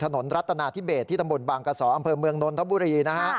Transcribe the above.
ถนนรัตนาทิเบสที่ตำบลบางกะสออำเภอเมืองนทบุรี